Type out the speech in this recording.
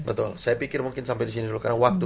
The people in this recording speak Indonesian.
betul saya pikir mungkin sampai disini dulu